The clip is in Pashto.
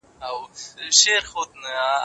نړیوال قوانین د ټولو لپاره یو شان دي.